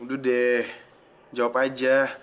aduh deh jawab aja